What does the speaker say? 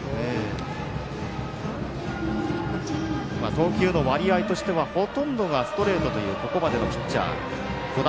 投球の割合としてはほとんどがストレートというここまでのピッチャー、小玉。